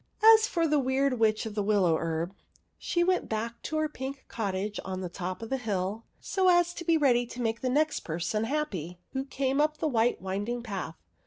As for the Weird Witch of the WillowHerb, she went back to her pink cottage on the top of the hill, so as to be ready to make the next person happy who came up the white winding path.